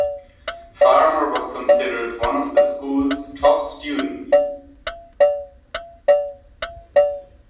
Farmer was considered one of the school's top students.